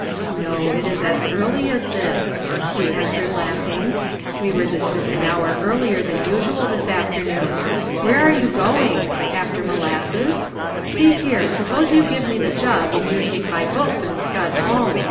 " No, it is as early as this," he answered laugh ing ;" we were dismissed an hour earlier than usual this afternoon. Where are you going? after molasses ? See here, suppose you give me the jug and you take my books and scud home.